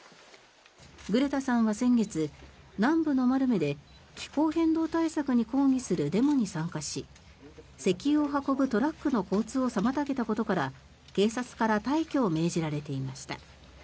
グレタさんは先月南部のマルメで気候変動対策に抗議するデモに参加し石油を運ぶトラックの交通を妨げたことから警察から退去を命じられていました。